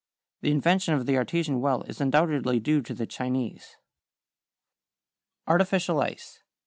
The invention of the artesian well is undoubtedly due to the Chinese. =Artificial Ice.